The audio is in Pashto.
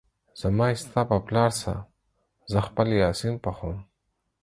زما يې ستا په پلار څه ، زه خپل يا سين پخوم